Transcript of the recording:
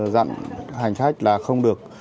dặn hành khách là không được